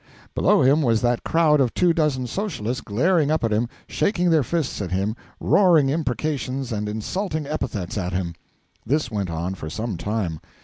Below him was that crowd of two dozen Socialists glaring up at him, shaking their fists at him, roaring imprecations and insulting epithets at him. This went on for some time.